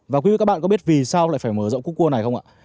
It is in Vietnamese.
và quý vị các bạn có biết vì sao lại phải mở rộng cúc cua này không ạ